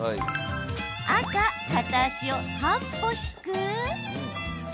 赤・片足を半歩引く。